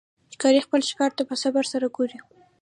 ښکاري خپل ښکار ته په صبر سره ګوري.